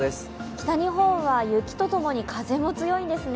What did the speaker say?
北日本は、雪とともに風も強いんですね。